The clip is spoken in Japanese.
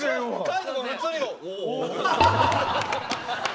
海人も普通に「お」。